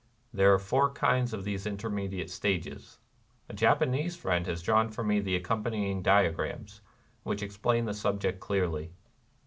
There are four kinds of these intermediate stages. A Japanese friend has drawn for me the accompanying diagrams, which explain the subject clearly.